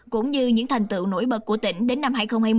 cũng như những thành tựu nổi bật của tỉnh đến năm hai nghìn hai mươi